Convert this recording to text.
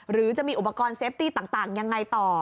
หรือจะมีอุปกรณ์เซฟตี้ต่างยังไงต่อ